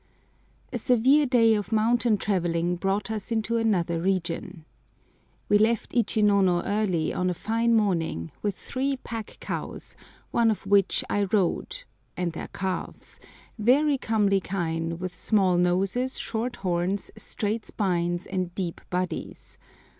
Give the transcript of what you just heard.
A SEVERE day of mountain travelling brought us into another region. We left Ichinono early on a fine morning, with three pack cows, one of which I rode [and their calves], very comely kine, with small noses, short horns, straight spines, and deep bodies.